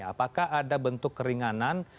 apakah ada bentuk keringanan